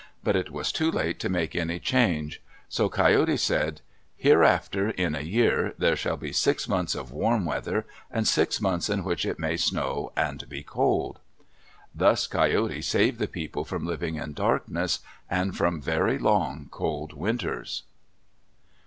But it was too late to make any change. So Coyote said, "Hereafter in a year there shall be six months of warm weather and six months in which it may snow and be cold." Thus Coyote saved the people from living in darkness, and from very long, cold winters.